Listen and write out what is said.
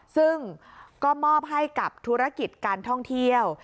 ซึ่งก็มอบให้กับธุรกิจการท่องเที่ยว